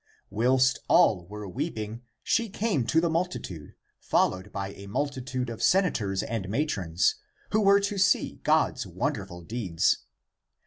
Whilst all were weep ing, she came to the multitude, followed by a mul titude of senators and matrons, who were to see God's wonderful deeds.